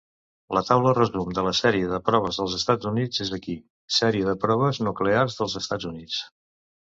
La taula resum de la sèrie de proves dels Estats Units és aquí: Sèrie de proves nuclears dels Estats Units.